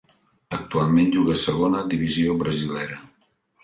Actualment juga a Segona divisió brasilera.